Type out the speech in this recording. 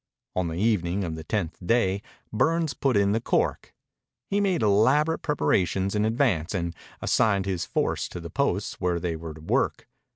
On the evening of the tenth day Burns put in the cork. He made elaborate preparations in advance and assigned his force to the posts where they were to work.